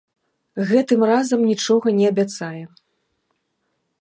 Гэтым разам нічога не абяцае.